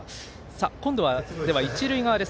今度は一塁側です。